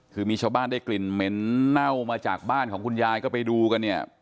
คือมีชาวบ้านได้กลิ่นเหม็นเน่ามาจากบ้านของคุณยายก็ไปดูกันเนี่ย